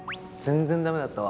全然ダメだった？